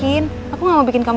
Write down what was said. tidak sama banget